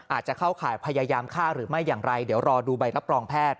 อาจจะเข้าข่ายพยายามฆ่าหรือไม่อย่างไรเดี๋ยวรอดูใบรับรองแพทย์